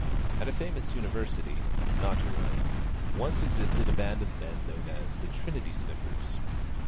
At a famous University (not your own) once existed a band of men known as 'The Trinity Sniffers.'